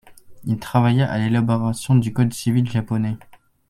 Il travailla à l'élaboration du code civil japonais.